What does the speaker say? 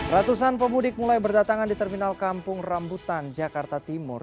ratusan pemudik mulai berdatangan di terminal kampung rambutan jakarta timur